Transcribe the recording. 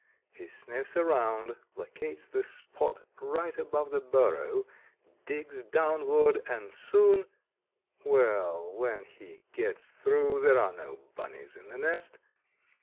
He sniffs around, locates the spot right above the burrow, digs downward, and soon well, when he gets through there are no "Bunnies" in the nest.